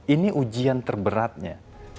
ini ujian terberatnya